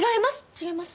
違います！